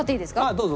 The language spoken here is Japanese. どうぞ。